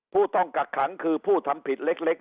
ผู้ต้องกักขังคือผู้ทำผิดเล็ก